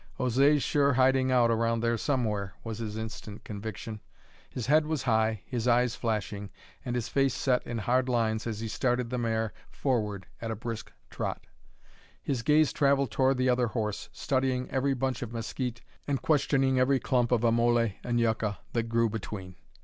"José's sure hiding out around there somewhere," was his instant conviction. His head was high, his eyes flashing, and his face set in hard lines as he started the mare forward at a brisk trot. His gaze travelled toward the other horse, studying every bunch of mesquite and questioning every clump of amole and yucca that grew between.